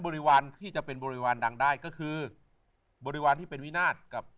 ริวารที่จะเป็นบริวารดังได้ก็คือบริวารที่เป็นวินาศกับ